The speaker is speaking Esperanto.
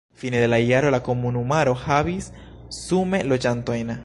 Fine de la jaro la komunumaro havis sume loĝantojn.